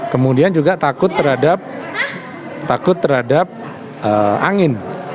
kemudian juga takut terhadap takut terhadap angin